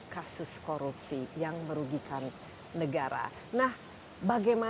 ini adalah perusahaan perusaha yang akan diberi di lota sampai dua ribu dua puluh satu